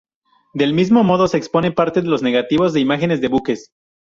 Del mismo modo, se expone parte de los negativos de imágenes de buques.